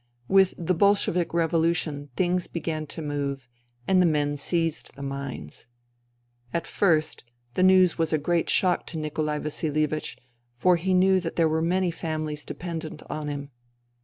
With the Bolshevik revolution things began to move, and the men seized the mines. At first the news was a great shock to Nikolai Vasilievich, for he knew that there were many families dependent on him.